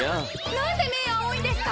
なんで目青いんですか？